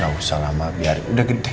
gak usah lama biar udah gede